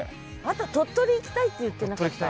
あんた鳥取行きたいって言ってなかった？